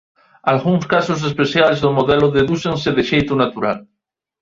Algúns casos especiais do modelo dedúcense de xeito natural.